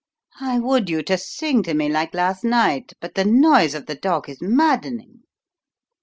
I would you to sing to me like last night, but the noise of the dog is maddening."